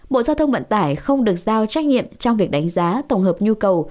bộ giao thông vận tải không được giao trách nhiệm trong việc đánh giá tổng hợp nhu cầu